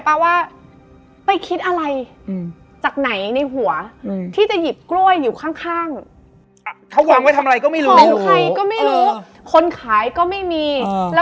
เป็นกล้วยที่อร่อยที่สุดในชีวิต